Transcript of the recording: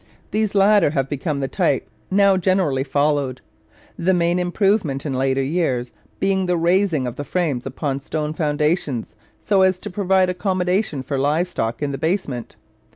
These latter have become the type now generally followed, the main improvement in later years being the raising of the frames upon stone foundations so as to provide accommodation for live stock in the basement.